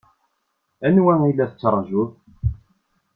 Anwa i la tettṛaǧuḍ?